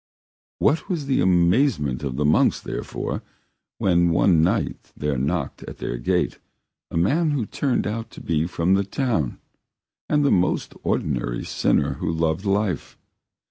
What was the amazement of the monks, therefore, when one night there knocked at their gate a man who turned out to be from the town, and the most ordinary sinner who loved life.